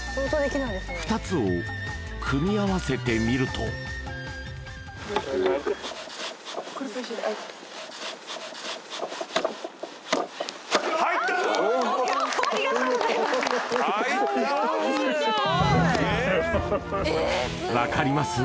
２つを組み合わせてみるとわかります？